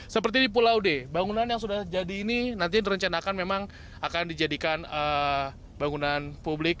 seperti di pulau d bangunan yang sudah jadi ini nanti direncanakan memang akan dijadikan bangunan publik